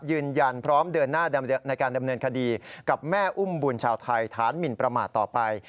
ยืนยันพร้อมเดินหน้าในการดำเนินคดีกับแม่อุ้มบุญชาวไทยฐานหมินประมาทต่อไป